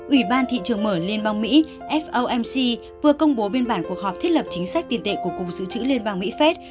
ủy ban thị trường mở liên bang mỹ fomc vừa công bố biên bản cuộc họp thiết lập chính sách tiền tệ của cục sự trữ liên bang mỹ phép